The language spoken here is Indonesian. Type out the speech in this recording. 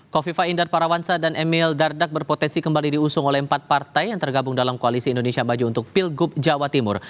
kofifa indar parawansa dan emil dardak berpotensi kembali diusung oleh empat partai yang tergabung dalam koalisi indonesia maju untuk pilgub jawa timur